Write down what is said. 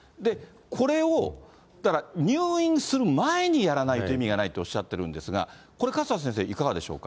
これをだから入院する前にやらないと意味がないっておっしゃってるんですが、これ、勝田先生、いかがでしょうか。